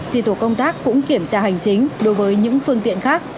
thì tổ công tác cũng kiểm tra hành chính đối với những phương tiện khác